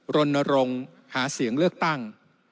รณรงค์หาเสียงเลือกตั้ง